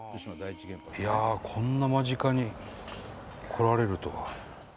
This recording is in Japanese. いやあこんな間近に来られるとは。